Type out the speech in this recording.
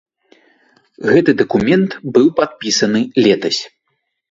Гэты дакумент быў падпісаны летась.